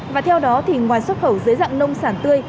và theo đó thì ngoài xuất khẩu dễ dàng nông sản tươi